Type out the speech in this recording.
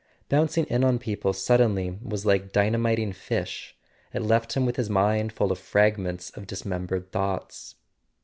Bouncing in on people suddenly was like dyna¬ miting fish: it left him with his mind full of fragments of dismembered thoughts.